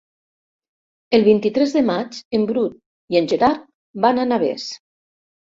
El vint-i-tres de maig en Bru i en Gerard van a Navès.